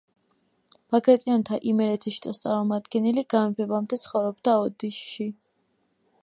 ბაგრატიონთა იმერეთის შტოს წარმომადგენელი, გამეფებამდე ცხოვრობდა ოდიშში.